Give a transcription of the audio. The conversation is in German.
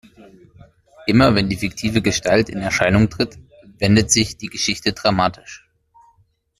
Immer wenn die fiktive Gestalt in Erscheinung tritt, wendet sich die Geschichte dramatisch.